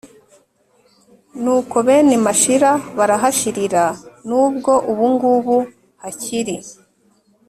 nuko bene mashira barahashirira, n'ubwo ubungubu hakiri